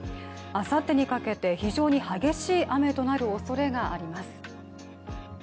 あさってにかけて、非常に激しい雨となるおそれがあります。